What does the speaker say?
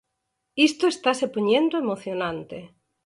Isto estase poñendo emocionante!